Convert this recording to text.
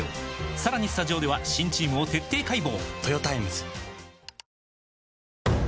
さらにスタジオでは新チームを徹底解剖！